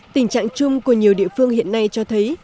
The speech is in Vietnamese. tình trạng chung của nhiều địa phương hiện nay cho thấy